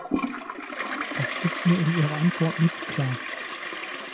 Das ist mir in Ihrer Antwort nicht klar.